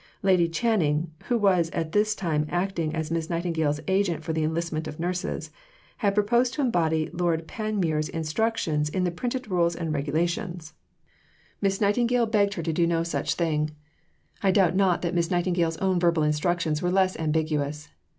Lady Canning, who was at this time acting as Miss Nightingale's agent for the enlistment of nurses, had proposed to embody Lord Panmure's instructions in the printed Rules and Regulations. Miss Nightingale begged her to do no such thing. I doubt not that Miss Nightingale's own verbal instructions were less ambiguous.